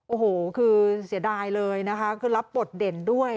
โอ้โหคือเสียดายเลยนะคะคือรับบทเด่นด้วย